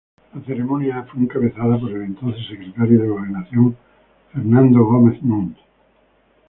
La ceremonia fue encabezada por el entonces secretario de Gobernación, Fernando Gómez Mont.